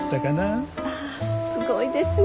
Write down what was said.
あすごいですね。